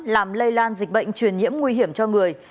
làm lây lan dịch bệnh truyền nhiễm nguy hiểm cho người